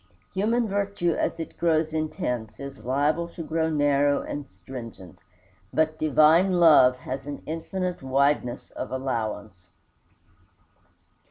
Human virtue as it grows intense is liable to grow narrow and stringent; but divine love has an infinite wideness of allowance.